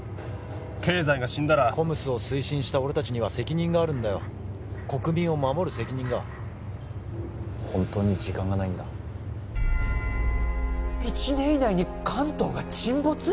経済が死んだらＣＯＭＳを推進した俺達には責任があるんだよ国民を守る責任が本当に時間がないんだ１年以内に関東が沈没！？